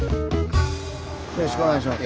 よろしくお願いします。